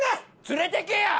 連れてけや！